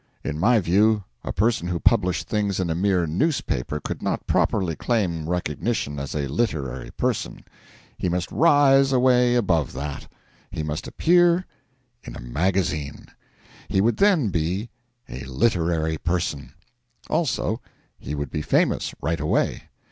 In my view, a person who published things in a mere newspaper could not properly claim recognition as a Literary Person: he must rise away above that; he must appear in a magazine. He would then be a Literary Person; also, he would be famous right away.